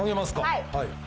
はい。